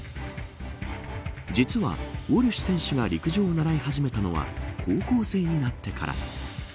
実は、ウォルシュ選手が陸上を習い始めたのは高校生になってから。